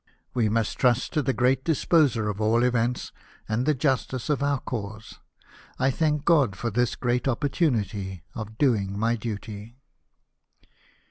We must trust to the Great Disposer of all events, and the justice of our cause. I thank God for this great opportunity of doing my duty."